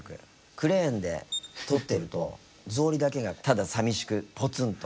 クレーンで撮ってると草履だけがただ寂しくポツンと。